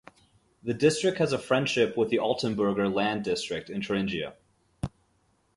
The district has a friendship with the Altenburger Land district in Thuringia.